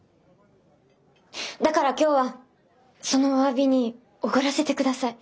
だから今日はそのお詫びにおごらせてください。